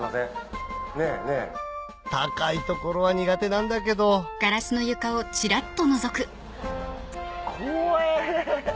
高い所は苦手なんだけど怖えぇ。